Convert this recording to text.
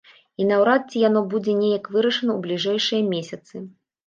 І наўрад ці яно будзе неяк вырашана ў бліжэйшыя месяцы.